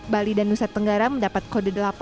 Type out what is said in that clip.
bali dan nusa tenggara mendapat kode delapan